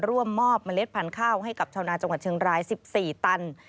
ร่วมมอบเมล็ดพันธุ์ข้าวให้กับชาวนาจังหวัดเชียงราย๑๔ตัน